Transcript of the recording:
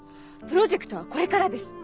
プロジェクトはこれからです。